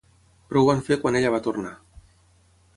Però ho van fer quan ella va tornar.